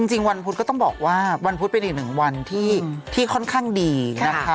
วันพุธก็ต้องบอกว่าวันพุธเป็นอีกหนึ่งวันที่ค่อนข้างดีนะคะ